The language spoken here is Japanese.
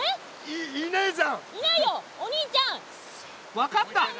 分かった！